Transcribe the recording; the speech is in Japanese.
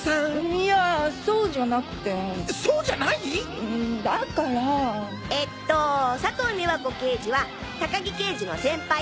いやそうじゃなくてそうじゃない⁉んだからえっと佐藤美和子刑事は高木刑事の先輩